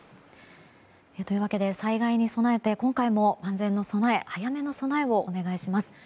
というわけで災害に備えて今回も万全の備え、早めの備えをお願いします。